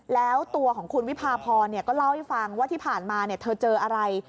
แล้วตัวของคุณวิพาพรก็เล่าให้ฟังว่าที่ผ่านมาเธอเจออะไร